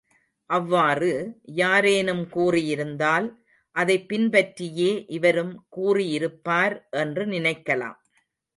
அவ்வாறு, யாரேனும் கூறியிருந்தால், அதைப் பின்பற்றியே இவரும் கூறி இருப்பார் என்று நினைக்கலாம்.